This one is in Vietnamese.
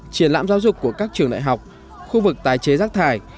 triển lãm giáo dục của các trường đại học khu vực tái chế rác thải